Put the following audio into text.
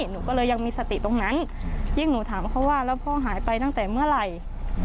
หนูก็เลยยังมีสติตรงนั้นยิ่งหนูถามเขาว่าแล้วพ่อหายไปตั้งแต่เมื่อไหร่